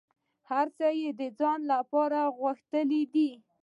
هر څه یې د ځان لپاره غوښتي دي.